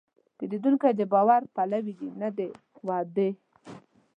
پیرودونکی د باور پلوي دی، نه د وعدې.